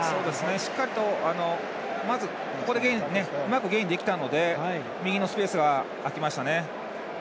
しっかりと、まずここでうまくゲインできたので右のスペースが空きましたね。